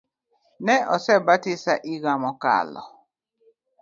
Ne osebatisa iga mokalo